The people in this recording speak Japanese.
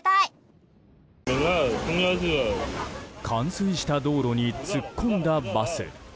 冠水した道路に突っ込んだバス。